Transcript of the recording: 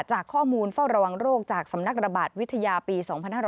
จากข้อมูลเฝ้าระวังโรคจากสำนักระบาดวิทยาปี๒๕๕๙